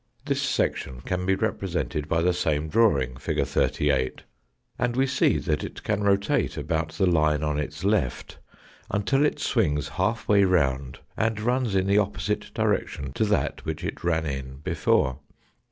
This section can be represented by the same drawing, fig. 38, and we see that it can rotate about the line on its left until it swings half way round and runs in the opposite direction to that which it ran in before.